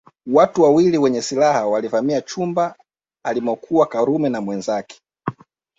Watu wawili wenye silaha walivamia chumba alimokuwa Karume na wenzake